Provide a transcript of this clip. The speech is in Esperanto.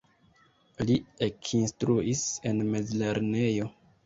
Li ekinstruis en mezlernejo.